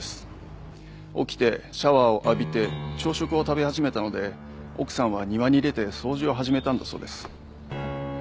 起きてシャワーを浴びて朝食を食べ始めたので奥さんは庭に出て掃除を始めたんだそうです。